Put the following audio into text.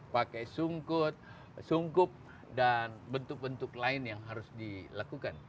pakai sungkut sungkup dan bentuk bentuk lain yang harus dilakukan